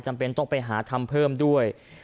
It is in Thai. จำเป็นต้องไปหาทำเพิ่มด้วย